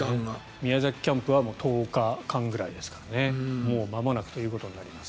宮崎キャンプは１０日間ぐらいですからもうまもなくということになります。